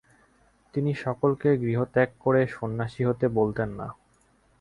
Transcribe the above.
তিনি সকলকে গৃহত্যাগ করে সন্ন্যাসী হতে বলতেন না।